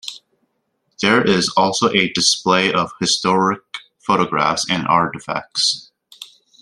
There is also a display of historic photographs and artefacts.